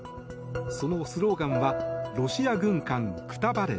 そのスローガンは「ロシア軍艦くたばれ！」